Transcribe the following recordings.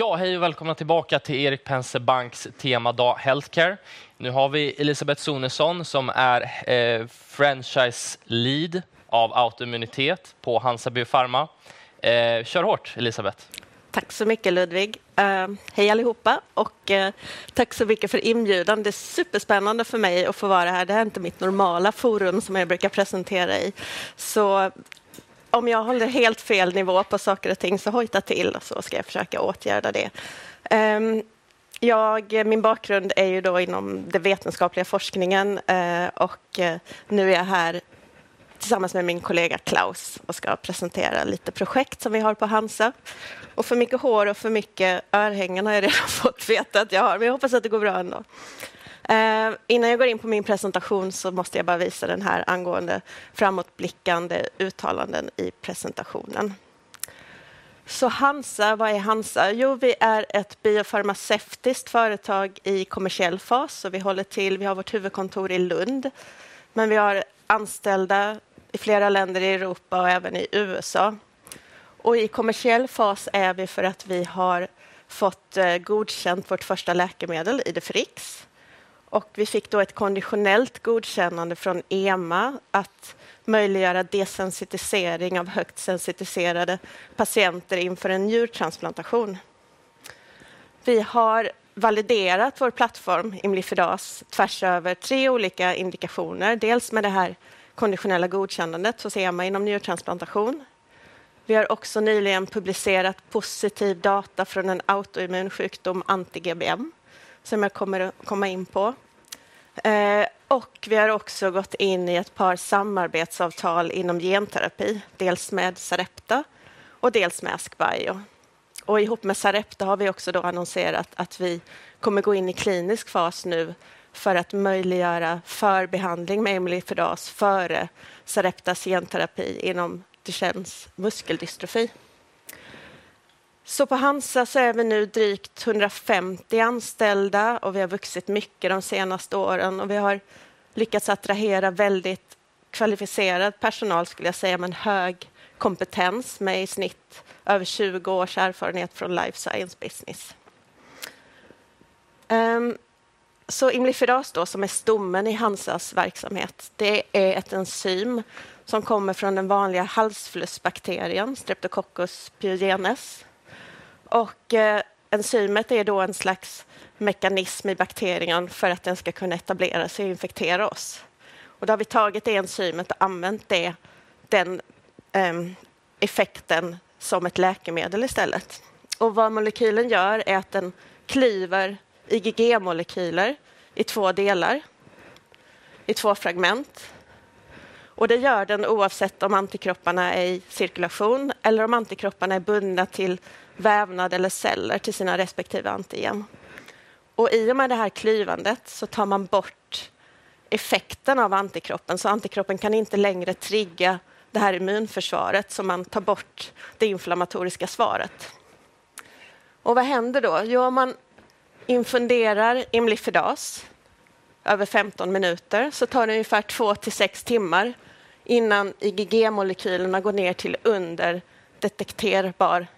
Ja, hej och välkomna tillbaka till Erik Penser Banks Temadag Healthcare. Nu har vi Elisabeth Sonesson, som är Franchise Lead av autoimmunitet på Hansa Biopharma. Kör hårt, Elisabeth! Tack så mycket, Ludvig. Hej allihopa och tack så mycket för inbjudan. Det är superspännande för mig att få vara här. Det här är inte mitt normala forum som jag brukar presentera i. Om jag håller helt fel nivå på saker och ting, så hojta till och så ska jag försöka åtgärda det. Min bakgrund är inom den vetenskapliga forskningen och nu är jag här tillsammans med min kollega Klaus och ska presentera lite projekt som vi har på Hansa. För mycket hår och för mycket örhängen har jag redan fått veta att jag har, men jag hoppas att det går bra ändå. Innan jag går in på min presentation så måste jag bara visa den här angående framåtblickande uttalanden i presentationen. Hansa, vad är Hansa? Vi är ett biofarmaceutiskt företag i kommersiell fas. Vi håller till, vi har vårt huvudkontor i Lund, men vi har anställda i flera länder i Europa och även i USA. I kommersiell fas är vi för att vi har fått godkänt vårt första läkemedel i Idifrix, och vi fick då ett konditionellt godkännande från EMA att möjliggöra desensitisering av högt sensitiserade patienter inför en njurtransplantation. Vi har validerat vår plattform, Imlifidase, tvärs över tre olika indikationer, dels med det här konditionella godkännandet inom njurtransplantation. Vi har också nyligen publicerat positiv data från en autoimmunsjukdom, anti-GBM, som jag kommer att komma in på. Vi har också gått in i ett par samarbetsavtal inom genterapi, dels med Sarepta och dels med AskBio. Ihop med Sarepta har vi också annonserat att vi kommer gå in i klinisk fas nu för att möjliggöra förbehandling med Imlifidase före Sareptas genterapi inom Duchennes muskeldystrofi. På Hansa är vi nu drygt hundrafemtio anställda och vi har vuxit mycket de senaste åren och vi har lyckats attrahera väldigt kvalificerad personal, skulle jag säga, med en hög kompetens, med i snitt över tjugo års erfarenhet från life science business. Imlifiras då, som är stommen i Hansas verksamhet, det är ett enzym som kommer från den vanliga halsflussbakterien, Streptococcus pyogenes. Enzymet är då en slags mekanism i bakterien för att den ska kunna etableras och infektera oss. Då har vi tagit det enzymet och använt det, den effekten, som ett läkemedel istället. Vad molekylen gör är att den klyver IgG-molekyler i två delar, i två fragment. Det gör den oavsett om antikropparna är i cirkulation eller om antikropparna är bundna till vävnad eller celler, till sina respektive antigen. Och i och med det här klyvandet så tar man bort effekten av antikroppen, så antikroppen kan inte längre trigga det här immunförsvaret, så man tar bort det inflammatoriska svaret. Och vad händer då? Jo, om man infunderar Imlifidase över femton minuter så tar det ungefär två till sex timmar innan IgG-molekylerna går ner till under detekterbar gräns.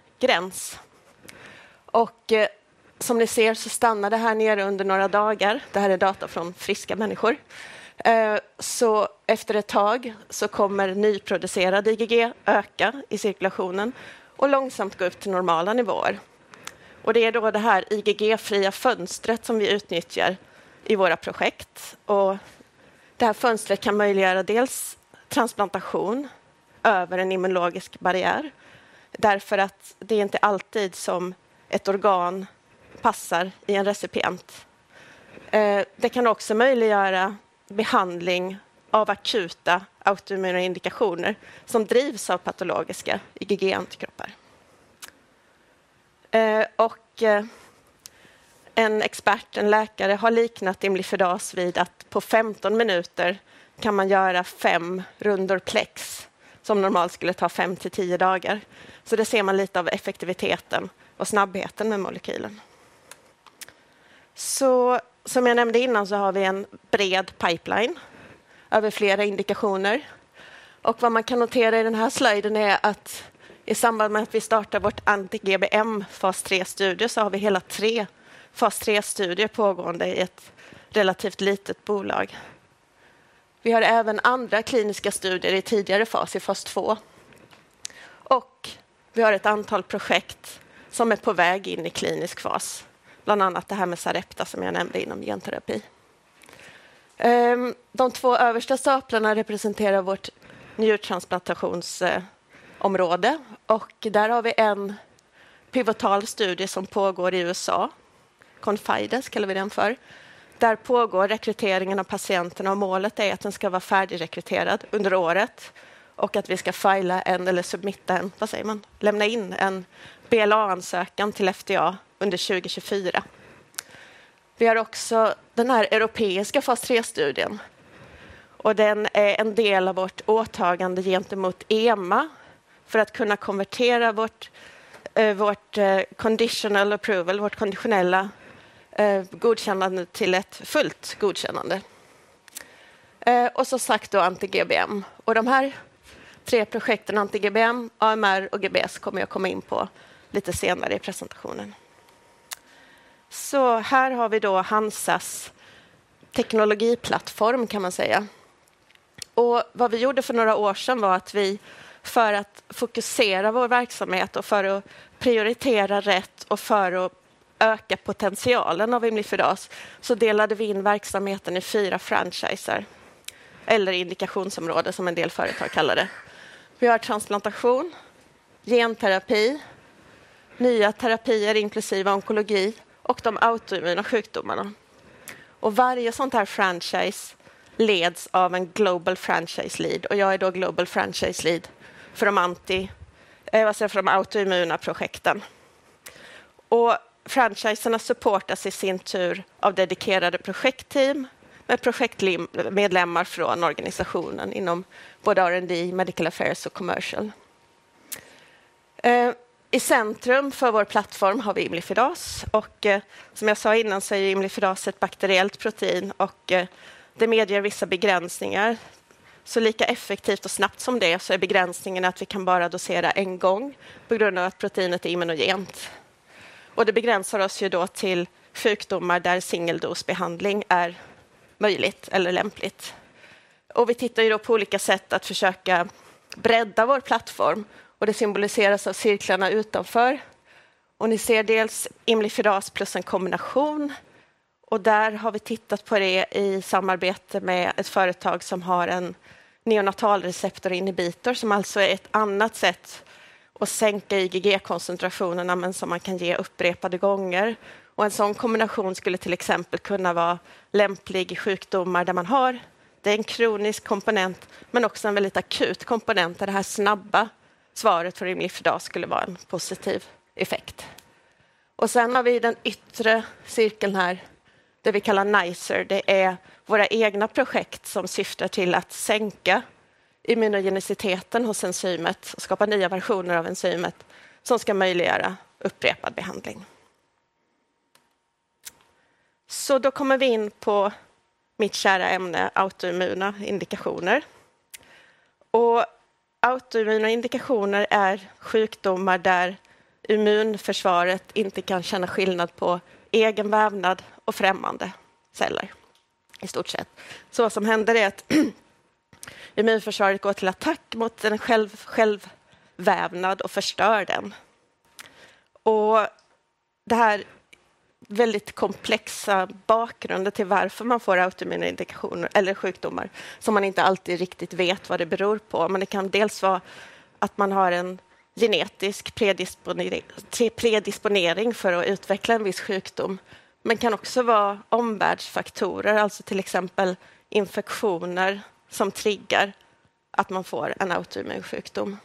Och som ni ser så stannar det här nere under några dagar. Det här är data från friska människor. Så efter ett tag så kommer nyproducerad IgG öka i cirkulationen och långsamt gå upp till normala nivåer. Och det är då det här IgG-fria fönstret som vi utnyttjar i våra projekt. Och det här fönstret kan möjliggöra dels transplantation över en immunologisk barriär, därför att det är inte alltid som ett organ passar i en recipient. Det kan också möjliggöra behandling av akuta autoimmuna indikationer som drivs av patologiska IgG-antikroppar. Och en expert, en läkare, har liknat Imlifidase vid att på femton minuter kan man göra fem rundor PLEX, som normalt skulle ta fem till tio dagar. Så det ser man lite av effektiviteten och snabbheten med molekylen. Som jag nämnde innan, så har vi en bred pipeline över flera indikationer. Vad man kan notera i den här bilden är att i samband med att vi startar vår anti-GBM fas tre-studie, så har vi hela tre fas tre-studier pågående i ett relativt litet bolag. Vi har även andra kliniska studier i tidigare fas, i fas två. Vi har ett antal projekt som är på väg in i klinisk fas, bland annat det här med Sarepta, som jag nämnde inom genterapi. De två översta staplarna representerar vårt njurtransplantationsområde och där har vi en pivotal studie som pågår i USA. CONFIDE, kallar vi den för. Där pågår rekryteringen av patienterna och målet är att den ska vara färdigrekryterad under året och att vi ska fajla en eller submiten, vad säger man? Lämna in en BLA-ansökan till FDA under 2024. Vi har också den här europeiska fas tre-studien och den är en del av vårt åtagande gentemot EMA för att kunna konvertera vårt, vårt conditional approval, vårt konditionella godkännande till ett fullt godkännande. Så sagt då anti-GBM. De här tre projekten, anti-GBM, AMR och GBS, kommer jag komma in på lite senare i presentationen. Här har vi då Hansas teknologiplattform kan man säga. Vad vi gjorde för några år sedan var att vi, för att fokusera vår verksamhet och för att prioritera rätt och för att öka potentialen av Imlifidas, så delade vi in verksamheten i fyra franchiser eller indikationsområden som en del företag kallar det. Vi har transplantation, genterapi, nya terapier inklusive onkologi och de autoimmuna sjukdomarna. Varje sådant här franchise leds av en global franchise lead och jag är då global franchise lead för de autoimmuna projekten. Franchiserna supportas i sin tur av dedikerade projektteam med projektmedlemmar från organisationen inom både R&D, Medical Affairs och Commercial. I centrum för vår plattform har vi Imlifidas och som jag sa innan så är Imlifidas ett bakteriellt protein och det medger vissa begränsningar. Så lika effektivt och snabbt som det är, så är begränsningen att vi kan bara dosera en gång på grund av att proteinet är immunogent. Det begränsar oss ju då till sjukdomar där singeldosbehandling är möjligt eller lämpligt. Vi tittar ju då på olika sätt att försöka bredda vår plattform och det symboliseras av cirklarna utanför. Och ni ser dels Imlifidas plus en kombination. Och där har vi tittat på det i samarbete med ett företag som har en neonatal receptor inhibitor, som alltså är ett annat sätt att sänka IgG-koncentrationerna, men som man kan ge upprepade gånger. Och en sådan kombination skulle till exempel kunna vara lämplig i sjukdomar där man har den kroniska komponenten, men också en väldigt akut komponent. Där det här snabba svaret för Imlifidas skulle vara en positiv effekt. Och sen har vi den yttre cirkeln här, det vi kallar Nicer. Det är våra egna projekt som syftar till att sänka immunogeniciteten hos enzymet och skapa nya versioner av enzymet som ska möjliggöra upprepad behandling. Så då kommer vi in på mitt kära ämne, autoimmuna indikationer. Och autoimmuna indikationer är sjukdomar där immunförsvaret inte kan känna skillnad på egen vävnad och främmande celler, i stort sett. Så vad som händer är att immunförsvaret går till attack mot en själv, själv vävnad och förstör den. Det här är en väldigt komplex bakgrund till varför man får autoimmuna indikationer eller sjukdomar som man inte alltid riktigt vet vad det beror på. Men det kan dels vara att man har en genetisk predisponering för att utveckla en viss sjukdom, men kan också vara omvärldsfaktorer, alltså till exempel infektioner som triggar att man får en autoimmun sjukdom.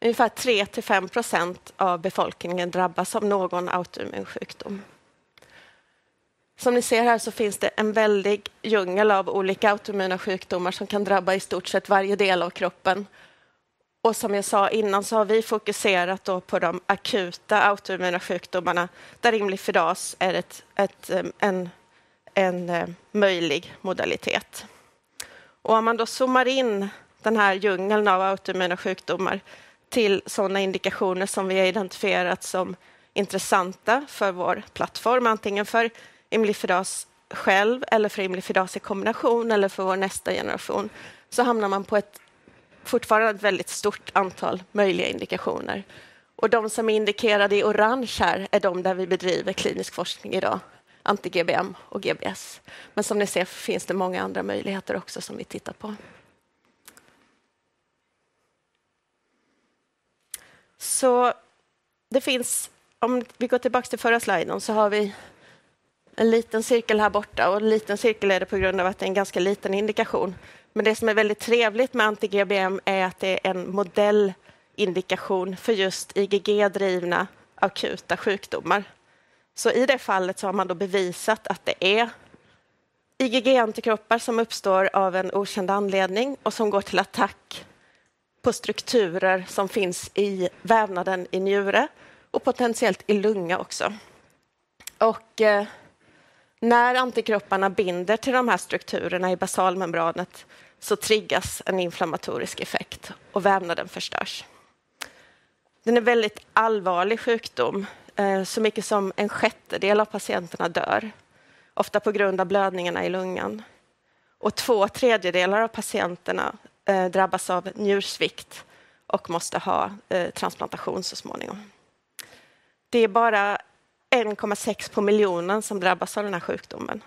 Ungefär 3% till 5% av befolkningen drabbas av någon autoimmun sjukdom. Som ni ser här så finns det en väldig djungel av olika autoimmuna sjukdomar som kan drabba i stort sett varje del av kroppen. Som jag sa innan, så har vi fokuserat på de akuta autoimmuna sjukdomarna, där Imlifidas är en möjlig modalitet. Och om man då zoomar in den här djungeln av autoimmuna sjukdomar till sådana indikationer som vi har identifierat som intressanta för vår plattform, antingen för Imlifidase själv eller för Imlifidase i kombination eller för vår nästa generation, så hamnar man på ett fortfarande väldigt stort antal möjliga indikationer. De som är indikerade i orange här är de där vi bedriver klinisk forskning idag, anti-GBM och GBS. Men som ni ser finns det många andra möjligheter också som vi tittar på. Det finns, om vi går tillbaka till förra sliden, så har vi en liten cirkel här borta och en liten cirkel är det på grund av att det är en ganska liten indikation. Men det som är väldigt trevligt med anti-GBM är att det är en modellindikation för just IgG-drivna akuta sjukdomar. I det fallet har man då bevisat att det är IgG-antikroppar som uppstår av en okänd anledning och som går till attack på strukturer som finns i vävnaden i njure och potentiellt i lunga också. När antikropparna binder till de här strukturerna i basalmembranet triggas en inflammatorisk effekt och vävnaden förstörs. Det är en väldigt allvarlig sjukdom. Så mycket som en sjättedel av patienterna dör, ofta på grund av blödningarna i lungan. Två tredjedelar av patienterna drabbas av njursvikt och måste ha transplantation så småningom. Det är bara 0,6 per miljon som drabbas av den här sjukdomen.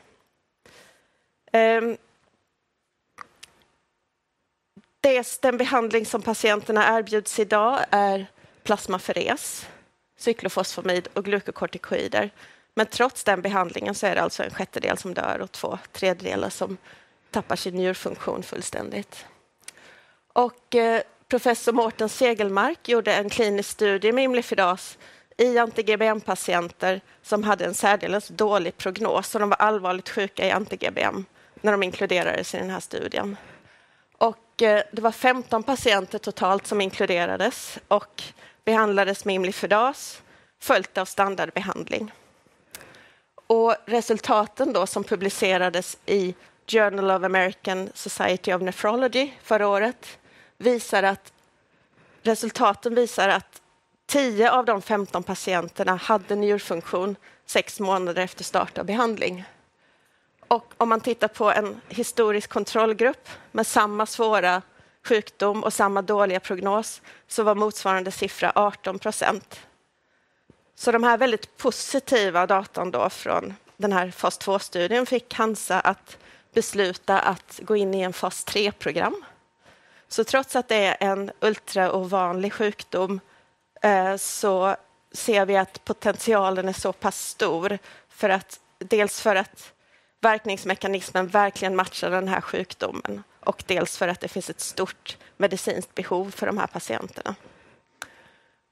Den behandling som patienterna erbjuds idag är plasmaferes, cyklofosfamid och glukokortikoider. Men trots den behandlingen är det alltså en sjättedel som dör och två tredjedelar som tappar sin njurfunktion fullständigt. Professor Mårten Segemark gjorde en klinisk studie med Imlifidas i anti-GBM-patienter som hade en särdeles dålig prognos. De var allvarligt sjuka i anti-GBM när de inkluderades i den här studien. Det var femton patienter totalt som inkluderades och behandlades med Imlifidas, följt av standardbehandling. Resultaten som publicerades i Journal of American Society of Nephrology förra året visar att tio av de femton patienterna hade njurfunktion sex månader efter start av behandling. Om man tittar på en historisk kontrollgrupp med samma svåra sjukdom och samma dåliga prognos, så var motsvarande siffra 18%. De här väldigt positiva datan från den här fas två-studien fick Hansa att besluta att gå in i en fas tre-program. Så trots att det är en ultra ovanlig sjukdom så ser vi att potentialen är så pass stor för att dels för att verkningsmekanismen verkligen matchar den här sjukdomen och dels för att det finns ett stort medicinskt behov för de här patienterna.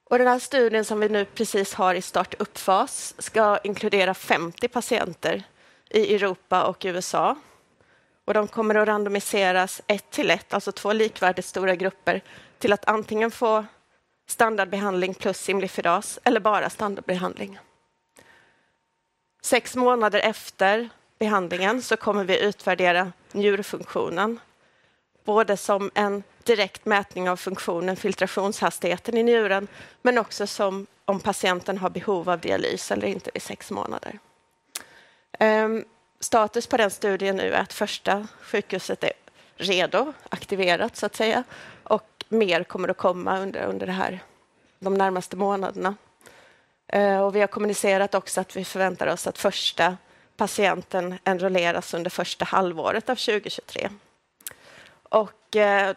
Och den här studien, som vi nu precis har i startuppfas, ska inkludera 50 patienter i Europa och USA. Och de kommer att randomiseras 1 till 1, alltså två likvärdigt stora grupper, till att antingen få standardbehandling plus Imlifidas eller bara standardbehandling. Sex månader efter behandlingen så kommer vi utvärdera njurfunktionen, både som en direkt mätning av funktionen, filtrationshastigheten i njuren, men också som om patienten har behov av dialys eller inte vid sex månader. Status på den studien nu är att första sjukhuset är redo, aktiverat så att säga, och mer kommer att komma under de närmaste månaderna. Vi har kommunicerat också att vi förväntar oss att första patienten enrolleras under första halvåret av 2023.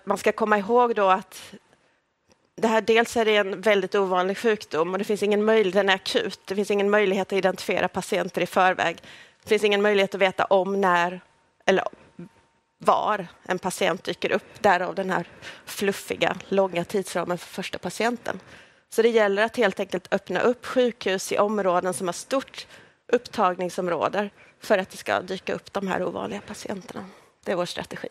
Man ska komma ihåg då att det här dels är en väldigt ovanlig sjukdom och det finns ingen möjlighet, den är akut. Det finns ingen möjlighet att identifiera patienter i förväg. Det finns ingen möjlighet att veta när eller var en patient dyker upp, därav den här fluffiga, långa tidsramen för första patienten. Det gäller att helt enkelt öppna upp sjukhus i områden som har stort upptagningsområde för att det ska dyka upp de här ovanliga patienterna. Det är vår strategi.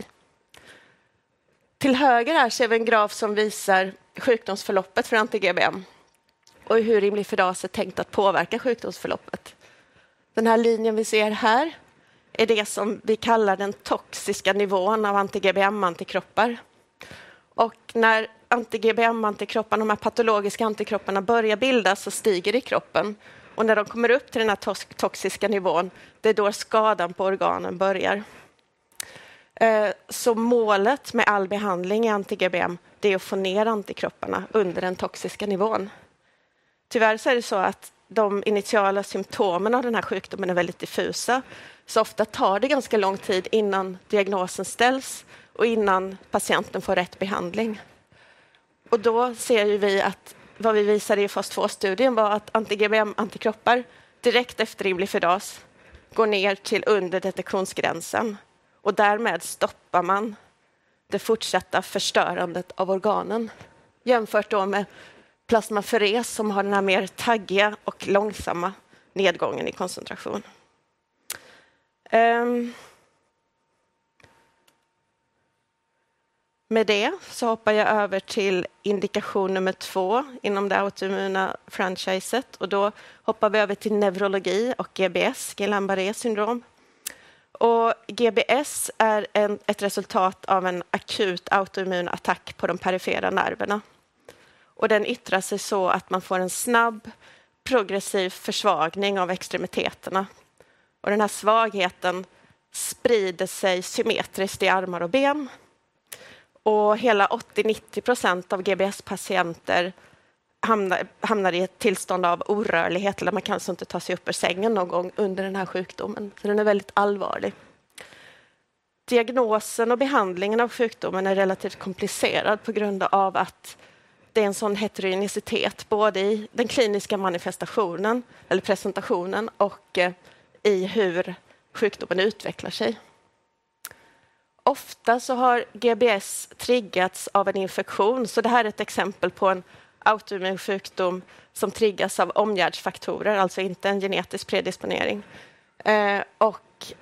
Till höger här ser vi en graf som visar sjukdomsförloppet för anti-GBM och hur Imlifidase är tänkt att påverka sjukdomsförloppet. Den här linjen vi ser här är det som vi kallar den toxiska nivån av anti-GBM antikroppar. Och när anti-GBM antikropparna, de här patologiska antikropparna, börjar bildas så stiger det i kroppen och när de kommer upp till den här toxiska nivån, det är då skadan på organen börjar. Så målet med all behandling i anti-GBM, det är att få ner antikropparna under den toxiska nivån. Tyvärr så är det så att de initiala symptomen av den här sjukdomen är väldigt diffusa, så ofta tar det ganska lång tid innan diagnosen ställs och innan patienten får rätt behandling. Och då ser ju vi att vad vi visade i fas två-studien var att anti-GBM antikroppar direkt efter Imlifidase går ner till under detektionsgränsen och därmed stoppar man det fortsatta förstörandet av organen. Jämfört då med plasmaferes som har den här mer taggiga och långsamma nedgången i koncentration. Med det så hoppar jag över till indikation nummer två inom det autoimmuna franchiset och då hoppar vi över till neurologi och GBS, Guillain-Barré syndrom. GBS är ett resultat av en akut autoimmun attack på de perifera nerverna. Den yttrar sig så att man får en snabb, progressiv försvagning av extremiteterna. Den här svagheten sprider sig symmetriskt i armar och ben. Hela 80-90% av GBS-patienter hamnar i ett tillstånd av orörlighet, där man kanske inte tar sig upp ur sängen någon gång under den här sjukdomen. Så den är väldigt allvarlig. Diagnosen och behandlingen av sjukdomen är relativt komplicerad på grund av att det är en sådan heterogenicitet, både i den kliniska manifestationen eller presentationen och i hur sjukdomen utvecklar sig. Ofta så har GBS triggats av en infektion, så det här är ett exempel på en autoimmun sjukdom som triggas av omgivningsfaktorer, alltså inte en genetisk predisponering. Och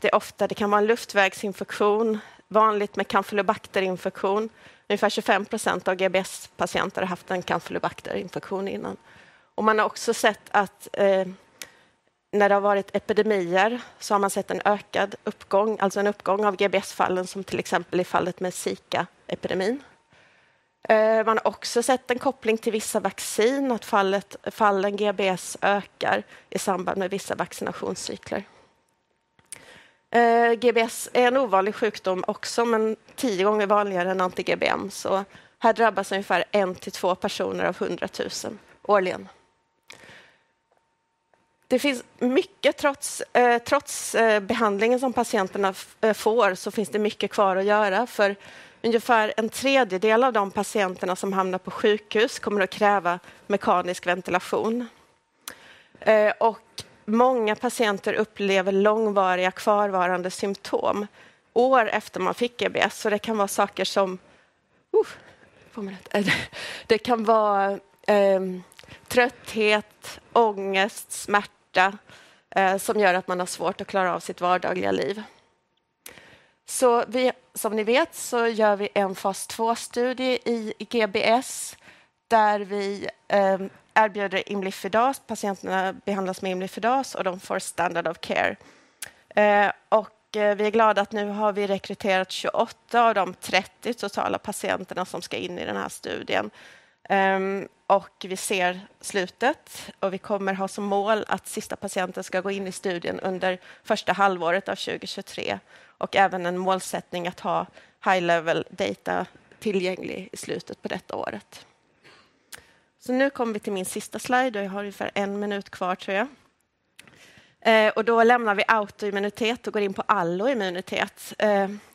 det är ofta, det kan vara en luftvägsinfektion, vanligt med kampylobacterinfektion. Ungefär 25% av GBS-patienter har haft en kampylobacterinfektion innan. Och man har också sett att när det har varit epidemier så har man sett en ökad uppgång, alltså en uppgång av GBS-fallen, som till exempel i fallet med Zika-epidemin. Man har också sett en koppling till vissa vaccin, att fallen GBS ökar i samband med vissa vaccinationscykler. GBS är en ovanlig sjukdom också, men tio gånger vanligare än anti-GBM. Så här drabbas ungefär en till två personer av hundra tusen årligen. Det finns mycket trots, trots behandlingen som patienterna får, så finns det mycket kvar att göra för ungefär en tredjedel av de patienterna som hamnar på sjukhus kommer att kräva mekanisk ventilation. Många patienter upplever långvariga kvarvarande symptom, år efter man fick GBS. Det kan vara saker som trötthet, ångest, smärta, som gör att man har svårt att klara av sitt vardagliga liv. Vi, som ni vet, gör en fas två-studie i GBS, där vi erbjuder Imlifidas. Patienterna behandlas med Imlifidas och de får standard of care. Vi är glada att nu har vi rekryterat tjugoåtta av de trettio totala patienterna som ska in i den här studien. Vi ser slutet och vi kommer att ha som mål att sista patienten ska gå in i studien under första halvåret av 2023 och även en målsättning att ha high level data tillgänglig i slutet på detta året. Nu kommer vi till min sista slide och jag har ungefär en minut kvar tror jag. Då lämnar vi autoimmunitet och går in på alloimmunitet.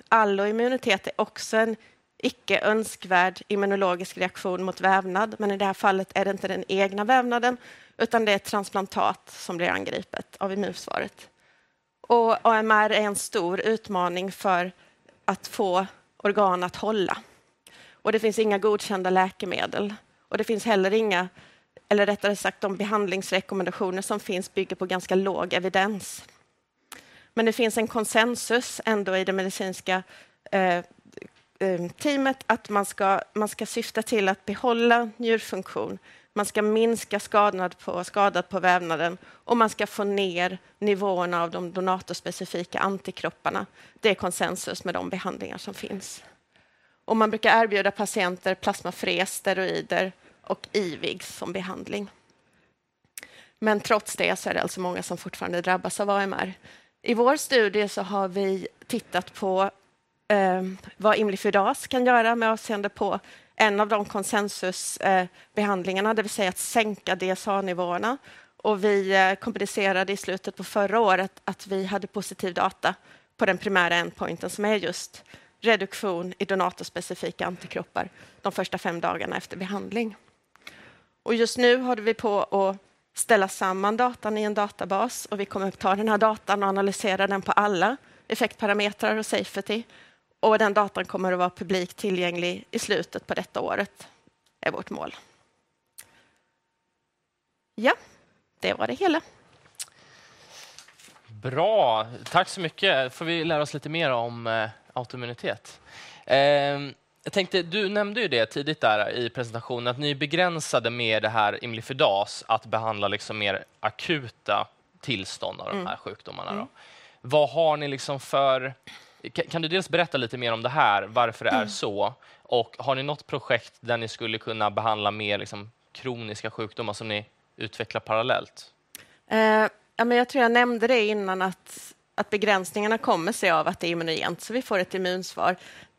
Alloimmunitet är också en icke önskvärd immunologisk reaktion mot vävnad, men i det här fallet är det inte den egna vävnaden, utan det är ett transplantat som blir angripet av immunförsvaret. AMR är en stor utmaning för att få organ att hålla. Det finns inga godkända läkemedel. Det finns heller inga, eller rättare sagt, de behandlingsrekommendationer som finns bygger på ganska låg evidens. Men det finns en konsensus ändå i det medicinska teamet att man ska syfta till att behålla njurfunktion, man ska minska skadan på vävnaden och man ska få ner nivåerna av de donatorspecifika antikropparna. Det är konsensus med de behandlingar som finns. Och man brukar erbjuda patienter plasmaferes, steroider och IVIG som behandling. Men trots det så är det alltså många som fortfarande drabbas av AMR. I vår studie så har vi tittat på vad Imlifidas kan göra med avseende på en av de konsensusbehandlingarna, det vill säga att sänka DSA-nivåerna. Och vi kommunicerade i slutet på förra året att vi hade positiv data på den primära endpointen, som är just reduktion i donatorspecifika antikroppar de första fem dagarna efter behandling. Och just nu håller vi på att ställa samman datan i en databas och vi kommer att ta den här datan och analysera den på alla effektparametrar och safety. Och den datan kommer att vara publikt tillgänglig i slutet på detta året, är vårt mål. Ja, det var det hela. Bra, tack så mycket. Får vi lära oss lite mer om autoimmunitet. Jag tänkte, du nämnde ju det tidigt där i presentationen att ni är begränsade med det här Imlifidas att behandla mer akuta tillstånd av de här sjukdomarna då. Vad har ni liksom för... Kan du dels berätta lite mer om det här, varför det är så? Har ni något projekt där ni skulle kunna behandla mer kroniska sjukdomar som ni utvecklar parallellt? Jag tror jag nämnde det innan att begränsningarna kommer sig av att det är immunogent, så vi får ett immunsvar.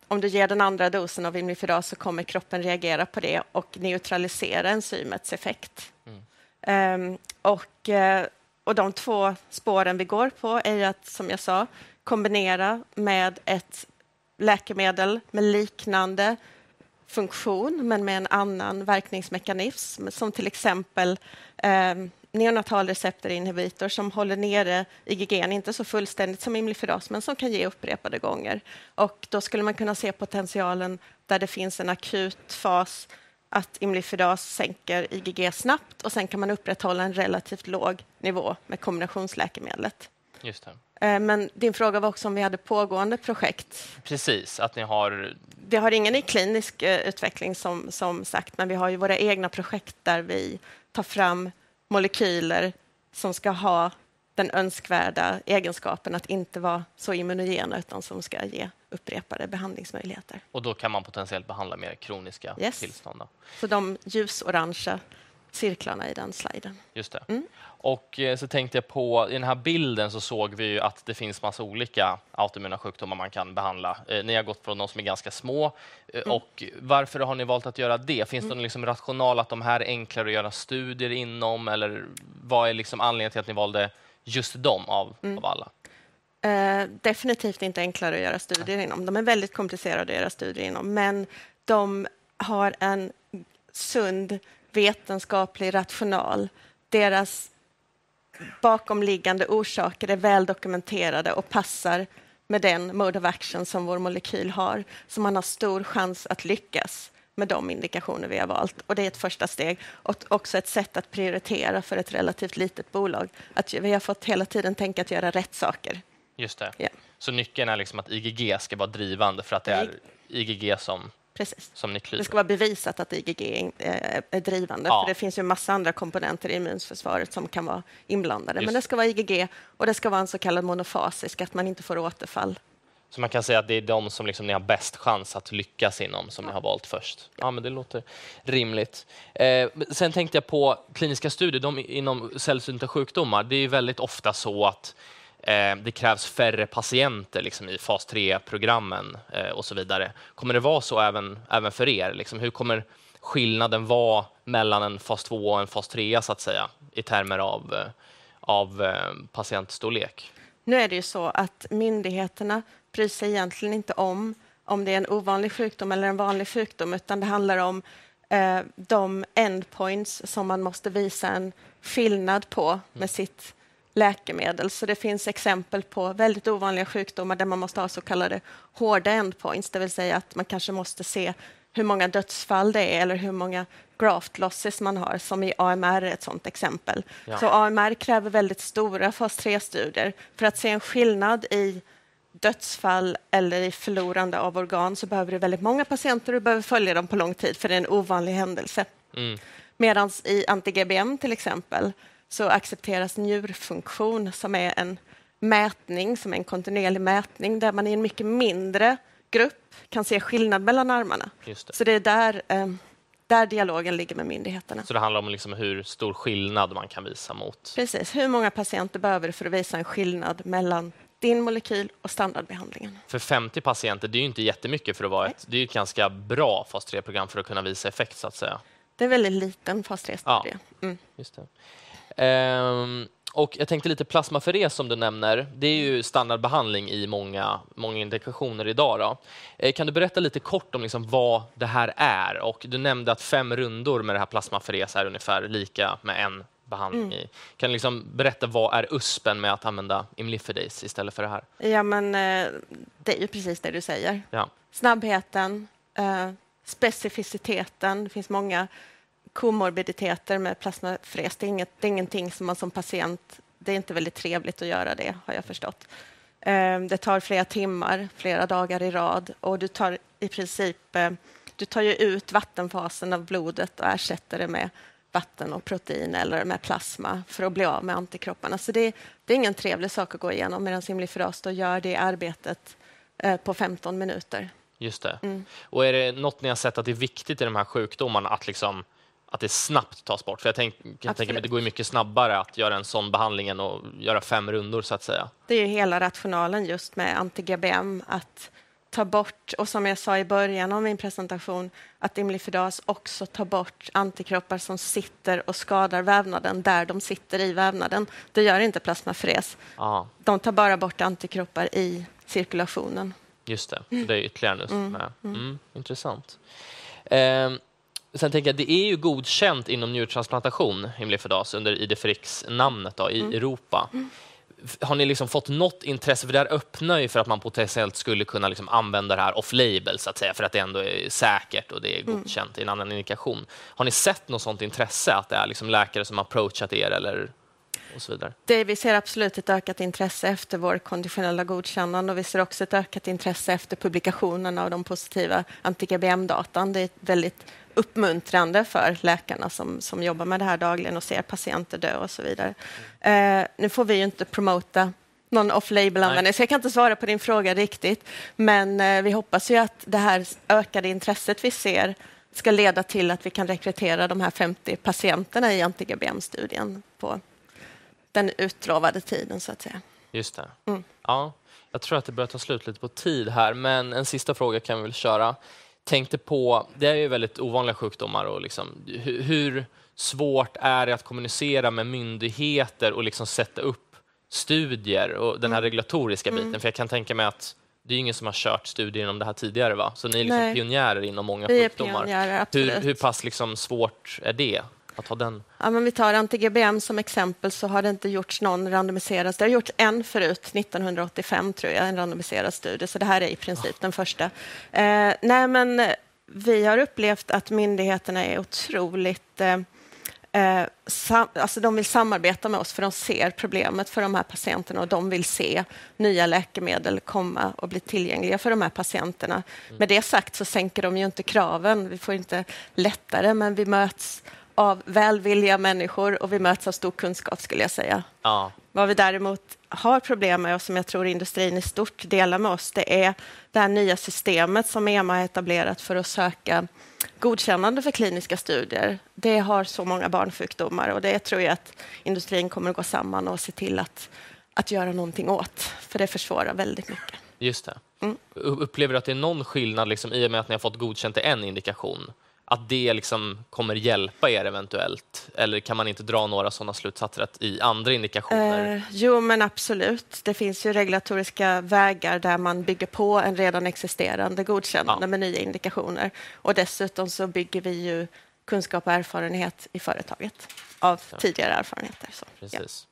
Om du ger den andra dosen av Imlifidas så kommer kroppen reagera på det och neutralisera enzymets effekt. De två spåren vi går på är att, som jag sa, kombinera med ett läkemedel med liknande funktion, men med en annan verkningsmekanism, som till exempel neonatal receptor inhibitor, som håller nere IgG, inte så fullständigt som Imlifidas, men som kan ges upprepade gånger. Då skulle man kunna se potentialen där det finns en akut fas att Imlifidas sänker IgG snabbt och sedan kan man upprätthålla en relativt låg nivå med kombinationsläkemedlet. Just det. Men din fråga var också om vi hade pågående projekt. Precis, att ni har- Vi har ingen i klinisk utveckling som, som sagt, men vi har ju våra egna projekt där vi tar fram molekyler som ska ha den önskvärda egenskapen att inte vara så immunogena, utan som ska ge upprepade behandlingsmöjligheter. Och då kan man potentiellt behandla mer kroniska tillstånd då? Yes, så de ljusorangea cirklarna i den sliden. Just det. Och så tänkte jag på, i den här bilden så såg vi att det finns en massa olika autoimmuna sjukdomar man kan behandla. Ni har gått från de som är ganska små. Och varför har ni valt att göra det? Finns det någon rational att de här är enklare att göra studier inom? Eller vad är anledningen till att ni valde just dem av alla? Definitivt inte enklare att göra studier inom. De är väldigt komplicerade att göra studier inom, men de har en sund vetenskaplig rational. Deras bakomliggande orsaker är väl dokumenterade och passar med den mode of action som vår molekyl har. Så man har stor chans att lyckas med de indikationer vi har valt och det är ett första steg och också ett sätt att prioritera för ett relativt litet bolag. Vi har fått hela tiden tänka att göra rätt saker. Just det. Så nyckeln är att IgG ska vara drivande för att det är IgG som- Precise. Som ni kliver på. Det ska vara bevisat att IgG är drivande. För det finns ju en massa andra komponenter i immunförsvaret som kan vara inblandade. Men det ska vara IgG och det ska vara en så kallad monofasisk, att man inte får återfall. Så man kan säga att det är de som ni har bäst chans att lyckas inom, som ni har valt först. Ja, men det låter rimligt. Sen tänkte jag på kliniska studier inom sällsynta sjukdomar. Det är väldigt ofta så att det krävs färre patienter i fas tre-programmen och så vidare. Kommer det vara så även för er? Hur kommer skillnaden vara mellan en fas två och en fas tre, så att säga, i termer av patientstorlek? Nu är det ju så att myndigheterna bryr sig egentligen inte om det är en ovanlig sjukdom eller en vanlig sjukdom, utan det handlar om de endpoints som man måste visa en skillnad på med sitt läkemedel. Det finns exempel på väldigt ovanliga sjukdomar där man måste ha så kallade hårda endpoints. Det vill säga att man kanske måste se hur många dödsfall det är eller hur många graft losses man har, som i AMR är ett sådant exempel. AMR kräver väldigt stora fas tre-studier. För att se en skillnad i dödsfall eller i förlorande av organ, så behöver du väldigt många patienter och du behöver följa dem på lång tid, för det är en ovanlig händelse. Medans i anti-GBM, till exempel, så accepteras njurfunktion, som är en mätning, som är en kontinuerlig mätning, där man i en mycket mindre grupp kan se skillnad mellan armarna. Så det är där dialogen ligger med myndigheterna. Så det handlar om hur stor skillnad man kan visa mot- Precis, hur många patienter behöver du för att visa en skillnad mellan din molekyl och standardbehandlingen? För femtio patienter, det är inte jättemycket för att vara ett - det är ett ganska bra fas tre-program för att kunna visa effekt, så att säga. Det är en väldigt liten fas tre-studie. Ja, just det. Och jag tänkte lite plasmaferes som du nämner, det är ju standardbehandling i många, många indikationer idag då. Kan du berätta lite kort om vad det här är? Och du nämnde att fem rundor med det här plasmaferes är ungefär lika med en behandling i... Kan du berätta vad är USP:en med att använda Imlifidase istället för det här? Ja, men det är ju precis det du säger. Snabbheten, specificiteten. Det finns många komorbiditeter med plasmaferes. Det är inget, det är ingenting som man som patient, det är inte väldigt trevligt att göra det har jag förstått. Det tar flera timmar, flera dagar i rad och du tar i princip, du tar ju ut vattenfasen av blodet och ersätter det med vatten och protein eller med plasma för att bli av med antikropparna. Så det, det är ingen trevlig sak att gå igenom medan Imlifidase då gör det arbetet på femton minuter. Just det. Och är det något ni har sett att det är viktigt i de här sjukdomarna att det snabbt tas bort? För jag tänker att det går mycket snabbare att göra en sådan behandling än att göra fem rundor, så att säga. Det är ju hela rationalen just med anti-GBM, att ta bort, och som jag sa i början av min presentation, att Imlifidase också tar bort antikroppar som sitter och skadar vävnaden där de sitter i vävnaden. Det gör inte plasmaferes. De tar bara bort antikroppar i cirkulationen. Just det, det är ytterligare en effekt med. Intressant. Sen tänker jag, det är ju godkänt inom njurtransplantation, Imlifidase, under Idefirix-namnet då i Europa. Har ni liksom fått något intresse? För det här öppnar ju för att man potentiellt skulle kunna använda det här off label, så att säga, för att det ändå är säkert och det är godkänt i en annan indikation. Har ni sett något sådant intresse att det är läkare som approachat er eller så vidare? Det, vi ser absolut ett ökat intresse efter vår konditionella godkännande och vi ser också ett ökat intresse efter publikationerna av de positiva anti-GBM-datan. Det är väldigt uppmuntrande för läkarna som jobbar med det här dagligen och ser patienter dö och så vidare. Nu får vi inte promota någon off label-användning, så jag kan inte svara på din fråga riktigt, men vi hoppas ju att det här ökade intresset vi ser ska leda till att vi kan rekrytera de här femtio patienterna i anti-GBM-studien på den utlovade tiden, så att säga. Just det. Ja, jag tror att det börjar ta slut lite på tid här, men en sista fråga kan vi väl köra. Tänkte på, det är ju väldigt ovanliga sjukdomar och liksom, hur svårt är det att kommunicera med myndigheter och liksom sätta upp studier och den här regulatoriska biten? För jag kan tänka mig att det är ingen som har kört studier inom det här tidigare va? Så ni är liksom pionjärer inom många sjukdomar. Vi är pionjärer, absolut. Hur pass liksom svårt är det att ha den? Ja, men vi tar anti-GBM som exempel så har det inte gjorts någon randomiserat. Det har gjorts en förut, 1985 tror jag, en randomiserad studie. Så det här är i princip den första. Nej, men vi har upplevt att myndigheterna är otroligt, alltså de vill samarbeta med oss för de ser problemet för de här patienterna och de vill se nya läkemedel komma och bli tillgängliga för de här patienterna. Med det sagt så sänker de ju inte kraven. Vi får inte lättare, men vi möts av välvilliga människor och vi möts av stor kunskap skulle jag säga. Ja. Vad vi däremot har problem med och som jag tror industrin i stort delar med oss, det är det här nya systemet som EMA etablerat för att söka godkännande för kliniska studier. Det har så många barnsjukdomar och det tror jag att industrin kommer att gå samman och se till att göra någonting åt, för det försvårar väldigt mycket. Just det. Upplever du att det är någon skillnad, i och med att ni har fått godkänt i en indikation, att det liksom kommer hjälpa er eventuellt? Eller kan man inte dra några sådana slutsatser att i andra indikationer? Jo, men absolut. Det finns ju regulatoriska vägar där man bygger på en redan existerande godkännande med nya indikationer. Dessutom så bygger vi ju kunskap och erfarenhet i företaget av tidigare erfarenheter. Precis.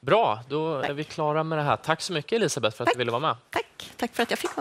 Bra, då är vi klara med det här. Tack så mycket Elisabeth för att du ville vara med. Tack, tack för att jag fick komma.